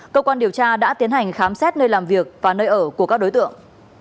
cơ quan điều tra đã tiến hành khám xét nơi làm việc và nơi ở của các đối tượng